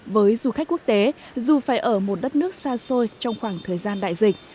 với du khách quốc tế dù phải ở một đất nước xa xôi trong khoảng thời gian đại dịch